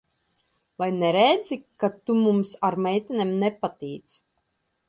Vai neredzi, ka tu mums ar meitenēm nepatīc?